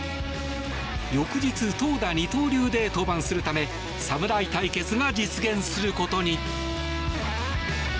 翌日、投打二刀流で登板するため侍対決が実現することに。